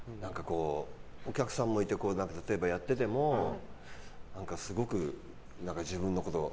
お客さんもいて、やっててもすごく自分のこと。